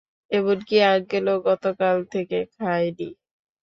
এমনকি আঙ্কেলও গতকাল থেকে খায়নি।